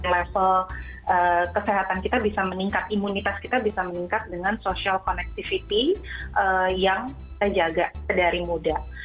level kesehatan kita bisa meningkat imunitas kita bisa meningkat dengan social connectivity yang kita jaga dari muda